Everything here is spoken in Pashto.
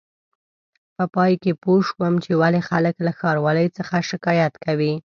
په پای کې پوه شوم چې ولې خلک له ښاروالۍ څخه شکایت کوي.